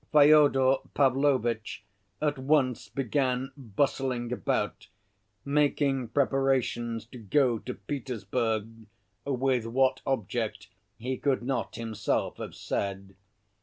Fyodor Pavlovitch at once began bustling about, making preparations to go to Petersburg, with what object he could not himself have said.